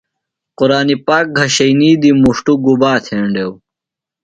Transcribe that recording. قُرآنی پاک گھشئینی دی مُݜٹوۡ گُباتھینڈیو؟